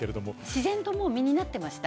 自然と身になってました。